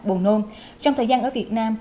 bồn nôn trong thời gian ở việt nam